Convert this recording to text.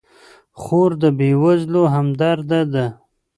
خور د بېوزلو همدرده ده.